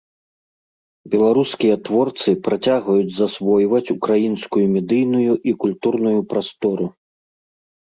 Беларускія творцы працягваюць засвойваць украінскую медыйную і культурную прастору.